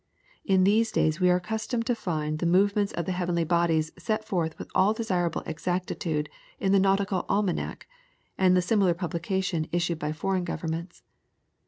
In these days we are accustomed to find the movements of the heavenly bodies set forth with all desirable exactitude in the NAUTICAL ALMANACK, and the similar publication issued by foreign Governments.